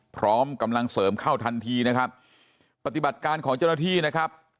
พร้อมกำลังเสริมเข้าทันทีนะครับปฏิบัติการของเจ้าหน้าที่นะครับ